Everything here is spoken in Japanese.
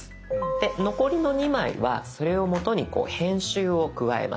で残りの２枚はそれを元にこう編集を加えました。